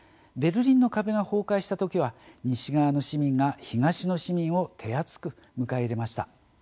ベルリンの壁が崩壊したときは西側の市民が東の市民を手厚く迎え入れました。